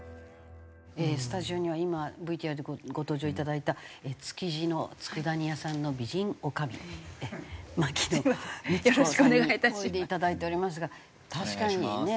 スタジオには今ＶＴＲでご登場頂いた築地の佃煮屋さんの美人女将牧野美千子さんにおいで頂いておりますが確かにね。